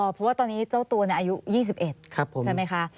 เพราะว่าตอนนี้เจ้าตัวอายุ๒๑ใช่ไหมคะ